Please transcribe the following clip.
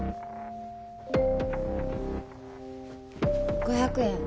５００円